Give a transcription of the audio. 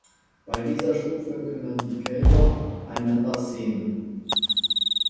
Bei dieser Stufe können die Kälber einander sehen.